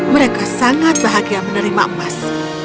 mereka sangat bahagia menerima emas